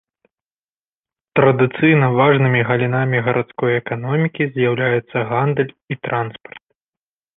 Традыцыйна важнымі галінамі гарадской эканомікі з'яўляюцца гандаль і транспарт.